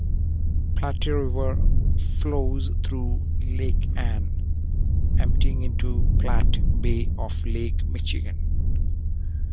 Platte River flows through Lake Ann, emptying into Platte Bay of Lake Michigan.